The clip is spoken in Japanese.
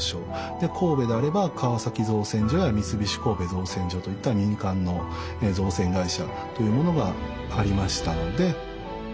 で神戸であれば川崎造船所や三菱神戸造船所といった民間の造船会社というものがありましたので。